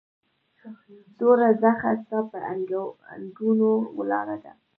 توره زخه ستا پهٔ اننګو ولاړه ده